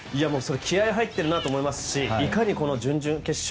気合入ってるなと思いますしいかに準々決勝